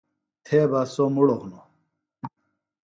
تھےۡ بہ سوۡ مڑوۡ ہِنوۡ